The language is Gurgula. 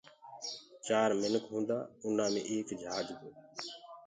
چآر منک هوندآ انآ مي ايڪ جھاج تو